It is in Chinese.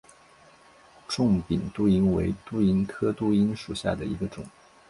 肿柄杜英为杜英科杜英属下的一个种。